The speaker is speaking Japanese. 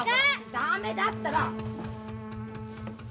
ダメだったら！